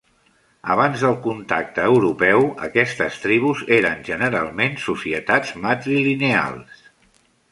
Abans del contacte europeu, aquestes tribus eren generalment societats matrilineals.